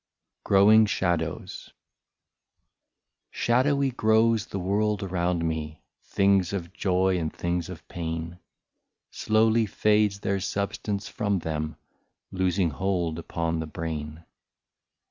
lO GROWING SHADOWS. Shadowy grows the world around me, Things of joy and things of pain ; Slowly fades their substance from them, Losing hold upon the brain.